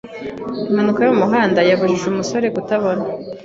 Impanuka yo mu muhanda yabujije umusore kutabona.